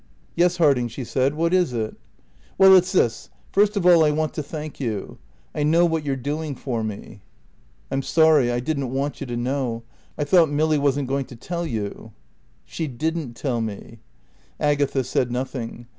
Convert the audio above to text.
"Yes, Harding," she said; "what is it?" "Well, it's this first of all I want to thank you. I know what you're doing for me." "I'm sorry. I didn't want you to know. I thought Milly wasn't going to tell you." "She didn't tell me." Agatha said nothing.